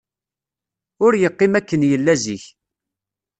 Ur yeqqim akken yella zik.